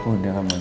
udah kamu makan